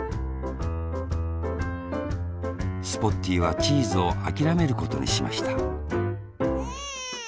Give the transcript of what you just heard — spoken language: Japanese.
スポッティーはチーズをあきらめることにしましたエンエン。